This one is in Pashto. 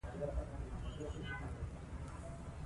روسیه په کابل، بلخ، هرات، کندهار او ننګرهار کې فرهنګي فعالیت لري.